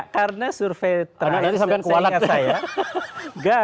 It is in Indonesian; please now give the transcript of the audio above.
karena survei terakhir saya ingat saya